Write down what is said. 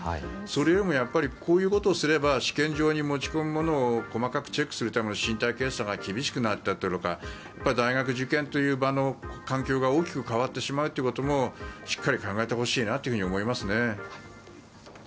それよりもこういうことをすれば試験場に持ち込むことを細かくチェックするための身体検査が厳しくなったりとか大学受験という場の環境が大きく変わってしまうこともしっかり考えてほしいなと思いますね。